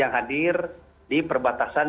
yang hadir di perbatasan